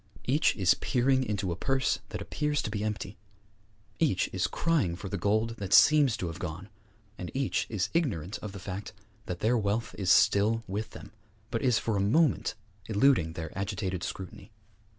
Each is peering into a purse that appears to be empty; each is crying for the gold that seems to have gone; and each is ignorant of the fact that their wealth is still with them, but is for a moment eluding their agitated scrutiny.